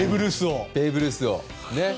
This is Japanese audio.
ベーブ・ルースをね。